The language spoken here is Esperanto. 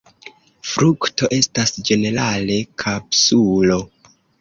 Frukto estas ĝenerale kapsulo.